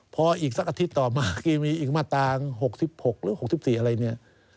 พออีกสักอาทิตย์ต่อมาแกมีอีกมาตรา๖๖หรือ๖๔อะไรเนี่ย